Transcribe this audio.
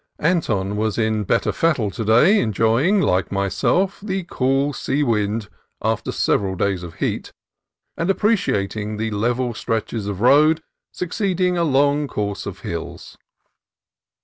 Anton was in better fettle to day, enjoying, like myself, the cool sea wind after several days of heat, and appreciating the level stretches of road, suc ceeding a long course of hills.